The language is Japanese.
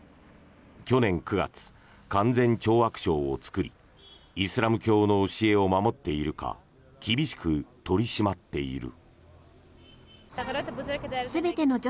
去年９月、勧善懲悪省を作りイスラム教の教えを守っているか厳しく取り締まっている。